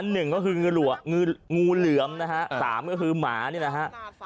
หนึ่งก็คืองูเหลือมนะฮะสามก็คือหมานี่แหละฮะ